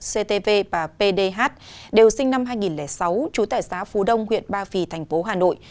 ct và pdh đều sinh năm hai nghìn sáu trú tại xã phú đông huyện ba vì thành phố hà nội